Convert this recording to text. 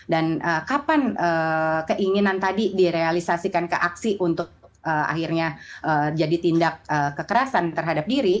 dan kapan keinginan tadi direalisasikan keaksi untuk akhirnya jadi tindak kekerasan terhadap diri